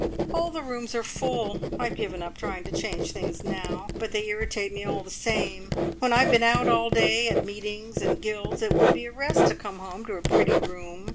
"All the rooms are full. I've given up trying to change things now, but they irritate me all the same. When I've been out all the day at meetings and guilds, it would be a rest to come home to a pretty room.